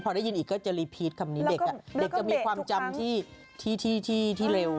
พอได้ยินอีกก็จะรีพีชคำนี้เด็กเด็กจะมีความจำที่เร็ว